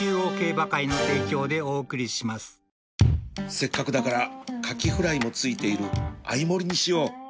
せっかくだからカキフライも付いているアイモリにしよう